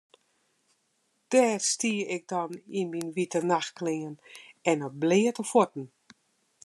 Dêr stie ik dan yn myn wite nachtklean en op bleate fuotten.